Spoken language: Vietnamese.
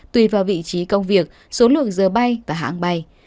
tùy vào vị trí công việc số lượng giờ bay và hạng bay